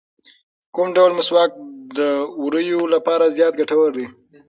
کوم ډول مسواک د ووریو لپاره زیات ګټور دی؟